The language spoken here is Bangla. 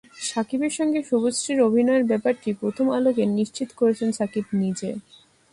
শাকিবের সঙ্গে শুভশ্রীর অভিনয়ের ব্যাপারটি প্রথম আলোকে নিশ্চিত করেছেন শাকিব নিজে।